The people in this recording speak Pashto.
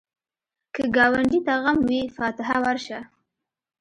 که ګاونډي ته غم وي، فاتحه ورشه